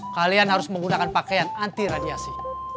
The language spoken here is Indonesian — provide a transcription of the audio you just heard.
kalian harus menggunakan pakaian anti radiasi